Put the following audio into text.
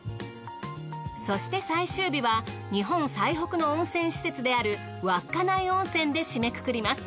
そして最終日は日本最北の温泉施設である稚内温泉で締めくくります。